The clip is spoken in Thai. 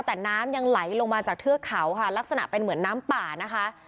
แต่น้ำยังไหลลงมาจากเทือกเขาค่ะลักษณะเป็นเหมือนน้ำป่านะคะ